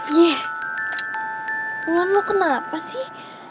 iyah luan lo kenapa sih